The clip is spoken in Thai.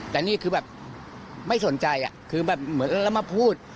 แต่นี่คือแบบไม่สนใจคือแบบเหมือนแล้วมาพูด